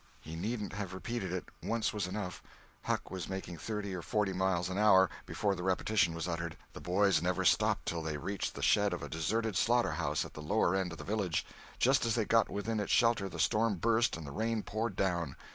He needn't have repeated it; once was enough; Huck was making thirty or forty miles an hour before the repetition was uttered. The boys never stopped till they reached the shed of a deserted slaughter house at the lower end of the village. Just as they got within its shelter the storm burst and the rain poured down.